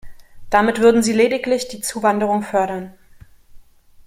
Damit würden Sie lediglich die Zuwanderung fördern.